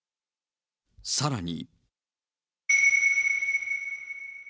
さらに。